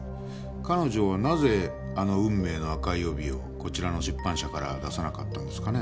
彼女はなぜあの『運命の紅い帯』をこちらの出版社から出さなかったんですかね？